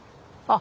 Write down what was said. あ。